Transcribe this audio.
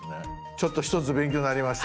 ちょっと一つ勉強になりました。